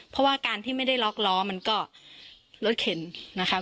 เพราะว่าการที่ไม่ได้ล็อกล้อมันก็รถเข็นนะคะ